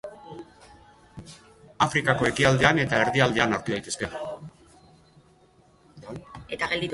Afrikako ekialdean eta erdialdean aurki daitezke.